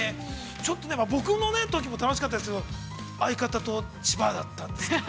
ちょっと、僕もね、そのときも楽しかったですけど、相方と、千葉だったんですけど。